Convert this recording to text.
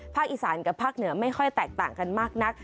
อีสานกับภาคเหนือไม่ค่อยแตกต่างกันมากนัก